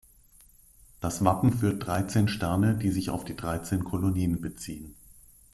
Das Wappen führt dreizehn Sterne, die sich auf die Dreizehn Kolonien beziehen.